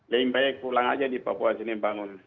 lebih baik pulang aja di papua sini bangun